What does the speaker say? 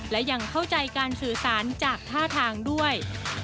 และยังเข้าใจการสื่อสารจากท่าทางด้วย